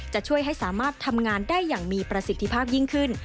จะช่วยให้สามารถทำงานได้อย่างมีประสิทธิภาพยิ่งขึ้น